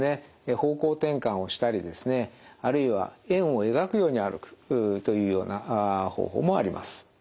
方向転換をしたりですねあるいは円を描くように歩くというような方法もあります。